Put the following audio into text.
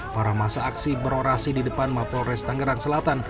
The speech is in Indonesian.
para masa aksi berorasi di depan mapolres tangerang selatan